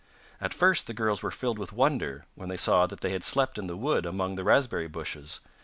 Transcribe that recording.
At first the girls were filled with wonder when they saw that they had slept in the wood among the raspberry bushes.